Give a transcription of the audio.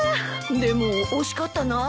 でも惜しかったなあ。